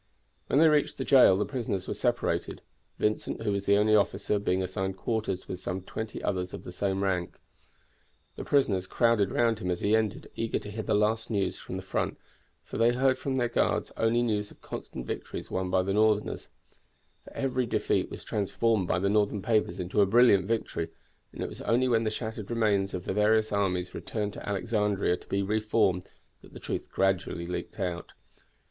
When they reached the jail the prisoners were separated, Vincent, who was the only officer, being assigned quarters with some twenty others of the same rank. The prisoners crowded round him as he entered, eager to hear the last news from the front, for they heard from their guards only news of constant victories won by the Northerners; for every defeat was transformed by the Northern papers into a brilliant victory, and it was only when the shattered remains of the various armies returned to Alexandria to be re formed that the truth gradually leaked out.